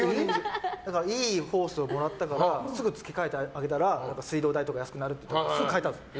いいホースをもらったからすぐ付け替えてあげたら水道代とか安くなるらしくてすぐ買えたんですよ。